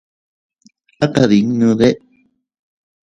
¿A kadinnuudee?.